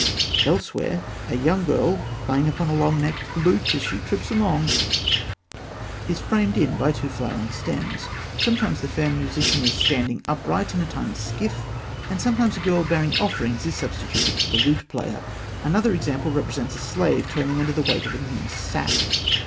Elsewhere, a young girl (fig. 251) playing upon a long necked lute as she trips along, is framed in by two flowering stems. Sometimes the fair musician is standing upright in a tiny skiff (fig. 252); and sometimes a girl bearing offerings is substituted for the lute player. Another example represents a slave toiling under the weight of an enormous sack.